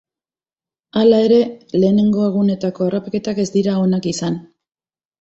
Hala ere, lehenengo egunetako harrapaketak ez dira onak izan.